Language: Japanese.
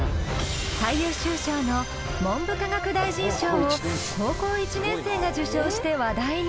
最優秀賞の文部科学大臣賞を高校１年生が受賞して話題に。